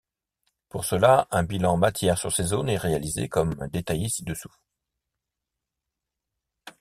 Pour cela, un bilan matière sur ces zones est réalisé, comme détaillé ci-dessous.